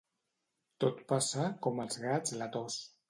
Tot passa, com als gats la tos.